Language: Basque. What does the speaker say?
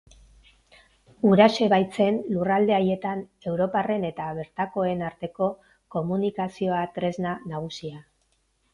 Huraxe baitzen lurralde haietan europarren eta bertakoen arteko komunikazio-tresna nagusia.